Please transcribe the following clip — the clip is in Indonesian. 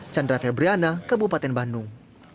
chandra febriana kebupaten bandung